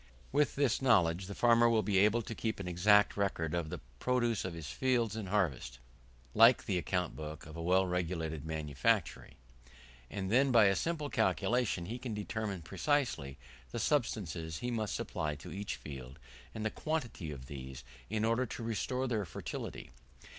With this knowledge the farmer will be able to keep an exact record, of the produce of his fields in harvest, like the account book of a well regulated manufactory; and then by a simple calculation he can determine precisely the substances he must supply to each field, and the quantity of these, in order to restore their fertility.